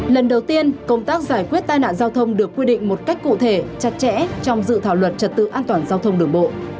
lần đầu tiên công tác giải quyết tai nạn giao thông được quy định một cách cụ thể chặt chẽ trong dự thảo luật trật tự an toàn giao thông đường bộ